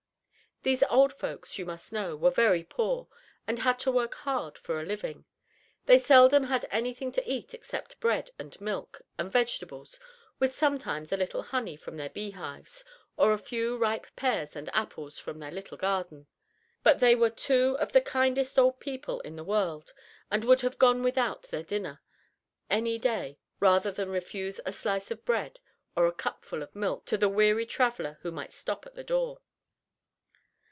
These old folks, you must know, were very poor, and had to work hard for a living. They seldom had anything to eat except bread and milk, and vegetables, with sometimes a little honey from their beehives, or a few ripe pears and apples from their little garden. But they were two of the kindest old people in the world, and would have gone without their dinner any day, rather than refuse a slice of bread or a cupful of milk to the weary traveler who might stop at the door.